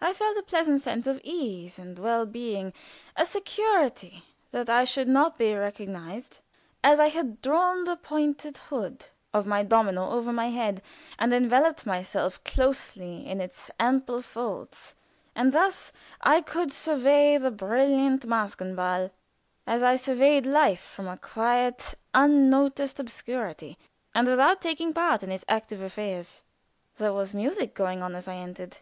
I felt a pleasant sense of ease and well being a security that I should not be recognized, as I had drawn the pointed hood of my domino over my head, and enveloped myself closely in its ample folds, and thus I could survey the brilliant Maskenball as I surveyed life from a quiet, unnoticed obscurity, and without taking part in its active affairs. There was music going on as I entered.